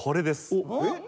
おっ！